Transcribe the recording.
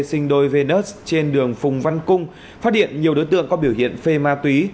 sinh đôi venus trên đường phùng văn cung phát hiện nhiều đối tượng có biểu hiện phê ma túy